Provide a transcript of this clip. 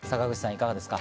いかがですか？